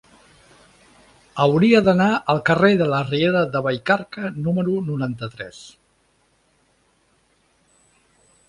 Hauria d'anar al carrer de la Riera de Vallcarca número noranta-tres.